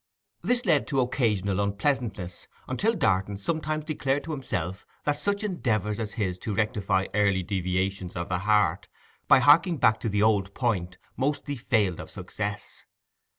This led to occasional unpleasantness, until Darton sometimes declared to himself that such endeavours as his to rectify early deviations of the heart by harking back to the old point mostly failed of success.